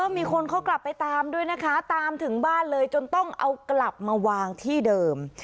มีคนเขากลับไปตามด้วยนะคะตามถึงบ้านเลยจนต้องเอากลับมาวางที่เดิม